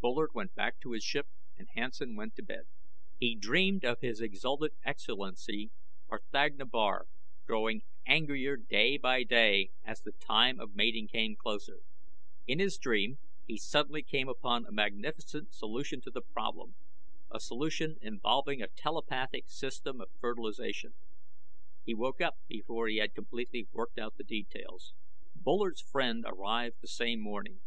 Bullard went back to his ship, and Hansen went to bed. He dreamed of His Exalted Excellency R'thagna Bar, growing angrier day by day as the time of mating came closer. In his dream he suddenly came upon a magnificent solution to the problem, a solution involving a telepathic system of fertilization. He woke up before he had completely worked out the details. Bullard's friend arrived the same morning.